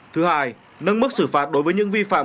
thứ hai nâng mức xử phạt đối với những vi phạm